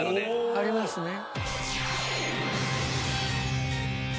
ありますね。